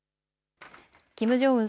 キム・ジョンウン